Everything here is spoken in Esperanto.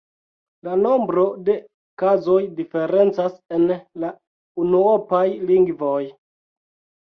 La nombro de kazoj diferencas en la unuopaj lingvoj.